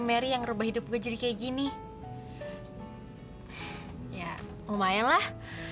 mary yang rubah hidup gue jadi kayak gini ya lumayanlah